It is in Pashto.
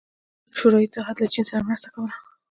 شوروي اتحاد له چین سره مرسته کوله.